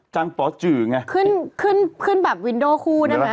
จางป๋อจือไงขึ้นแบบวินโดว์คู่น่ะไหม